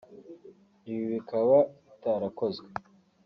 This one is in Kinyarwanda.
ibi bikaba bitarakozwe